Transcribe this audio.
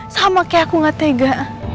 sama kayak aku gak tega